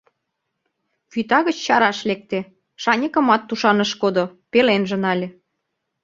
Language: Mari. Вӱта гыч чараш лекте, шаньыкымат тушан ыш кодо, пеленже нале.